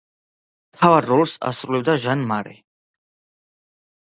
მთავარ როლს ასრულებს ჟან მარე.